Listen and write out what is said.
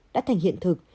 đã thành hiện thực